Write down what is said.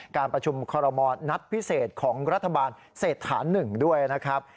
การประชุมคอรมณ์นัดพิเศษของรัฐบาลเศรษฐาน๑ด้วยนะครับ